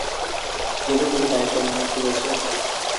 কিন্তু তুমি দায়িত্ব মানে কী বোঝ?